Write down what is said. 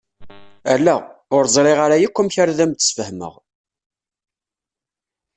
Ala! Ur ẓriɣ ara akk amek ara ad am-d-sfahmeɣ.